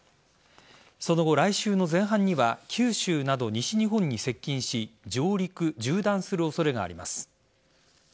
その後、来週の前半には九州など西日本に接近し上陸、縦断する恐れがあります。